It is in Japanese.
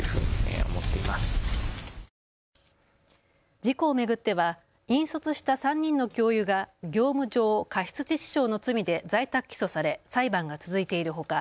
事故を巡っては引率した３人の教諭が業務上過失致死傷の罪で在宅起訴され裁判が続いているほか